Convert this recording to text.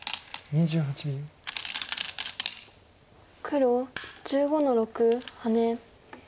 黒１５の六ハネ。